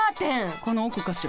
この奥かしら。